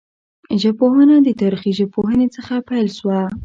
ژبپوهنه د تاریخي ژبپوهني څخه پیل سوه.